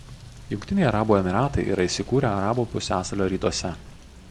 Jungtiniai Arabų Emyratai yra įsikūrę Arabų pusiasalio rytuose.